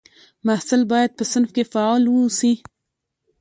محصل باید په صنف کې فعال واوسي.